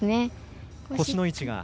腰の位置が。